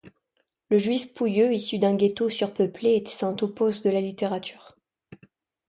Le Juif pouilleux issu d'un ghetto surpeuplé était un topos de la littérature.